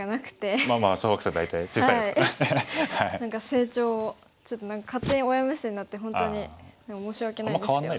成長をちょっと何か勝手に親目線になって本当に申し訳ないですけど。